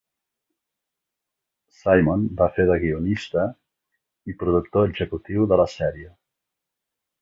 Simon va fer de guionista i productor executiu de la sèrie.